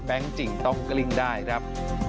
จริงต้องกลิ้งได้ครับ